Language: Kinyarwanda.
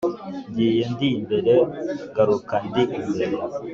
Ngiye ndi imbere ngaruka ndi imbere-